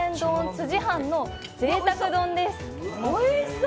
つじ半のぜいたく丼です。